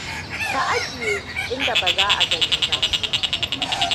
Ka ajiye in da baza agani ba.